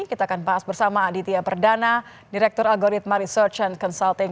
kita akan bahas bersama aditya perdana direktur algoritma research and consulting